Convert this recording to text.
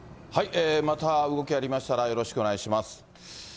また動きありましたらよろしくお願いします。